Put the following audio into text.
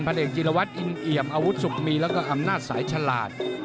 เอกจิรวัตรอินเอี่ยมอาวุธสุขมีแล้วก็อำนาจสายฉลาด